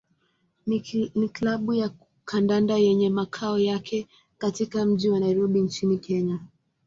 ni klabu ya kandanda yenye makao yake katika mji wa Nairobi nchini Kenya.